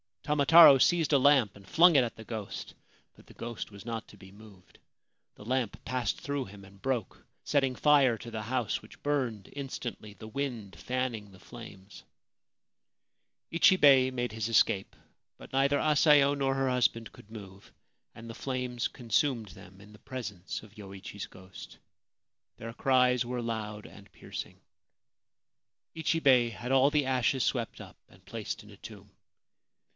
Tamataro seized a lamp and flung it at the ghost ; but the ghost was not to be moved. The lamp passed through him, and broke, setting fire to the house, which burned instantly, the wind fanning the flames. 34 Ghost Story of the Flute's Tomb Ichibei made his escape ; but neither Asayo nor her husband could move, and the flames consumed them in the presence of Yoichi's ghost. Their cries were loud and piercing. Ichibei had all the ashes swept up and placed in a tomb.